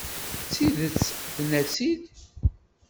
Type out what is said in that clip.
Tidet, tenna-tt-id.